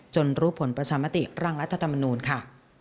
รู้ผลประชามติร่างรัฐธรรมนูลค่ะ